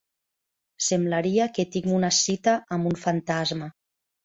Semblaria que tinc una cita amb un fantasma.